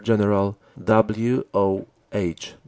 General W. O. H.